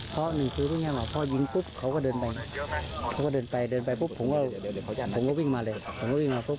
เพราะหนึ่งคือพวกเนี้ยพอยิงปุ๊บเขาก็เดินไปเขาก็เดินไปเดินไปปุ๊บ